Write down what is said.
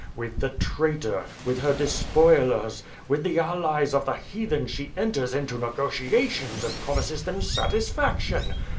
With the traitor, with her despoilers, with the allies of the Heathen she enters into negotiations and promises them satisfaction.